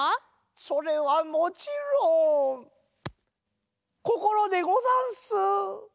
それはもちろん心でござんす。